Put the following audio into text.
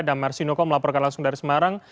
damar sinoko melaporkan langsung dari semarang